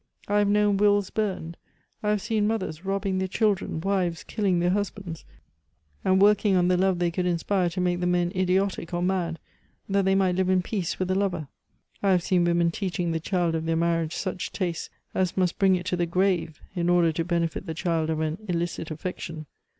I have known wills burned; I have seen mothers robbing their children, wives killing their husbands, and working on the love they could inspire to make the men idiotic or mad, that they might live in peace with a lover. I have seen women teaching the child of their marriage such tastes as must bring it to the grave in order to benefit the child of an illicit affection.